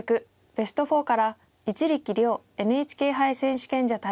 ベスト４から一力遼ＮＨＫ杯選手権者対